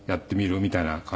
みたいな感じで。